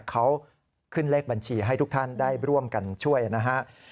เขาขึ้นเลขบัญชีให้ทุกท่านได้ร่วมกันช่วยนะฮะ